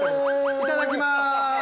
いただきます。